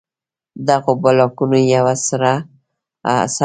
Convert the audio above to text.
دغو بلاکونو یوه سره علاقه وښيي.